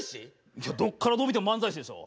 いやどっからどう見ても漫才師でしょ。